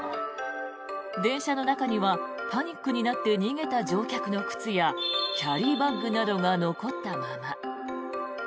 電車の中には、パニックになって逃げた乗客の靴やキャリーバッグなどが残ったまま。